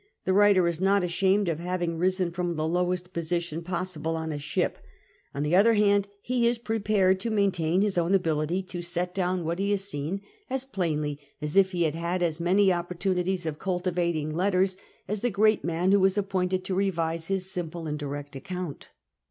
The writer is not ashamed of having risen from the lowest position possible on a ship ; on the other hand, he is prepared to maintain his own ability to set down what he has seen as plainly as if lie liad had as many opportunities of cultivating letters as the great man who was appointed to revise his simple and direct account.